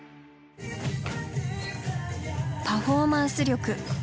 パフォーマンス力。